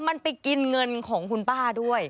มันไปกินเงินของคุณป้าด้วย